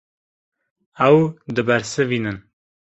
Ew dibersivînin.